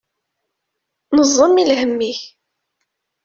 Nẓem i lhem-ik.